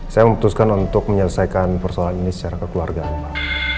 saya memutuskan untuk menyelesaikan persoalan ini secara kekeluargaan pak